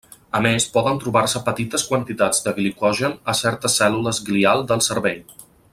A més, poden trobar-se petites quantitats de glicogen a certes cèl·lules glial del cervell.